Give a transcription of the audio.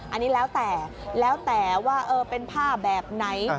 อันนี้แล้วแต่แล้วแต่ว่าเป็นผ้าแบบไหน